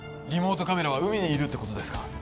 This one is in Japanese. リモートカメラは海にいるってことですか？